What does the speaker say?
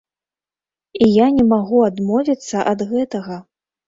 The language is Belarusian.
І я не магу адмовіцца ад гэтага.